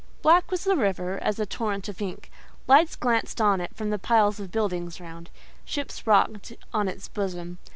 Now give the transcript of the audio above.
Black was the river as a torrent of ink; lights glanced on it from the piles of building round, ships rocked on its bosom.